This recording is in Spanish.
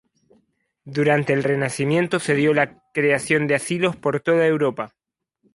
Durante el Renacimiento se dio la creación de asilos por toda Europa.